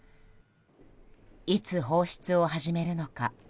いつ放出を始めるのか。